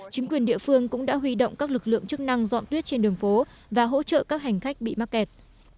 chính quyền địa phương cũng đã huy động các lực lượng chức năng dọn tuyết trên đường phố và hỗ trợ các hành khách bị mắc kẹt